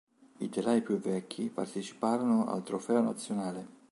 I telai più vecchi parteciparono al "Trofeo Nazionale".